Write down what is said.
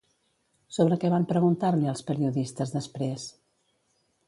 Sobre què van preguntar-li els periodistes després?